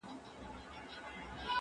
زه به سبا د زده کړو تمرين وکړم.